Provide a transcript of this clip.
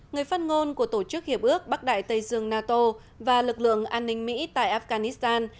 người phát ngôn của tổ chức hiệp ước bắc đại tây dương nato và lực lượng an ninh mỹ tại afghanistan